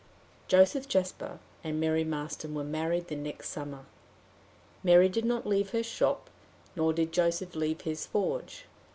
Joseph Jasper and Mary Marston were married the next summer. Mary did not leave her shop, nor did Joseph leave his forge.